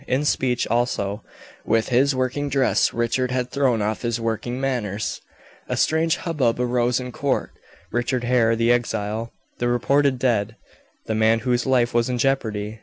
In speech also with his working dress Richard had thrown off his working manners. A strange hubbub arose in court. Richard Hare, the exile the reported dead the man whose life was in jeopardy!